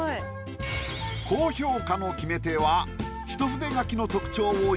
高評価の決め手は。